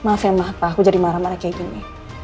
maaf ya maaf pak aku jadi marah marah kayak gini